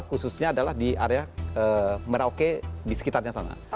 khususnya adalah di area merauke di sekitarnya sana